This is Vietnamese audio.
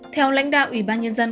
theo lãnh đạo ủy ban nhân dân